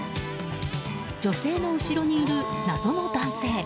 女性の後ろにいる謎の男性。